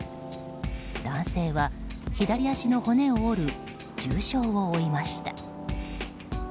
男性は、左足の骨を折る重傷を負いました。